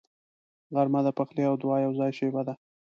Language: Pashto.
غرمه د پخلي او دعا یوځای شیبه ده